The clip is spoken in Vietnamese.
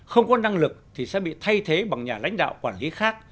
không có năng lực thì sẽ bị thay thế bằng nhà lãnh đạo quản lý khác